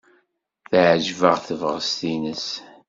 Teɛjeb-aɣ tebɣest-nnes.